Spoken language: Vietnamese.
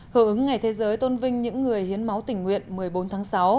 hữu ứng ngày thế giới tôn vinh những người hiến máu tình nguyện một mươi bốn tháng sáu